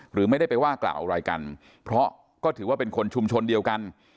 หรือไม่ได้ไปว่ากล่าวอะไรกันเพราะก็ถือว่าเป็นคนชุมชนเดียวกัน